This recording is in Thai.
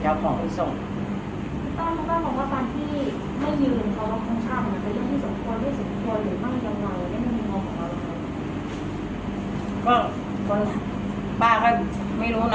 จะเอาของไว้ส่งเขาเลย